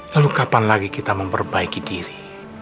lalu kapan lagi kita memperbaiki diri